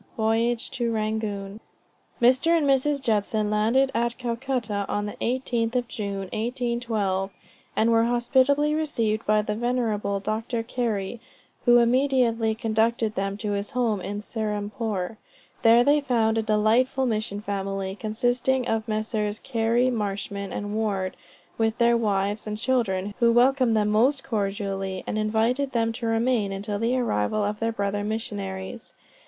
VOYAGE TO RANGOON. Mr. and Mrs. Judson landed at Calcutta on the 18th of June, 1812, and were hospitably received by the venerable Dr. Carey, who immediately conducted them to his home in Serampore. There they found a delightful mission family, consisting of Messrs. Carey Marshman and Ward, with their wives and children who welcomed them most cordially, and invited them to remain until the arrival of their brother missionaries.